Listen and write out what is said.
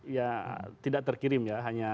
ya tidak terkirim ya hanya